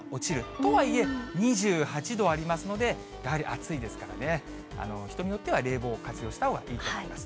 とはいえ、２８度ありますので、やはり暑いですからね、人によっては冷房を活用したほうがいいと思います。